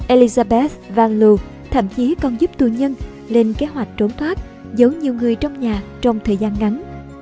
elizabeth van loo thậm chí còn giúp tù nhân lên kế hoạch trốn thoát giấu nhiều người trong nhà trong thời gian ngắn